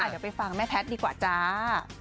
เดี๋ยวไปฟังแม่แพทย์ดีกว่าจ้า